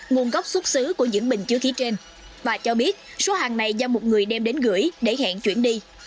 nguồn gốc xuất xứ của những bình chứa khí trên và cho biết số hàng này do một người đem đến gửi để hẹn chuyển đi